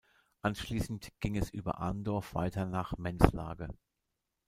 Anschließend ging es über "Andorf" weiter nach "Menslage".